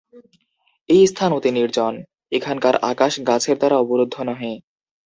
এই স্থান অতি নির্জন, এখানকার আকাশ গাছের দ্বারা অবরুদ্ধ নহে।